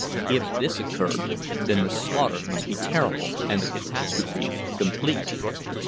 If this occurred, then the slaughter must be terrible and the catastrophe complete.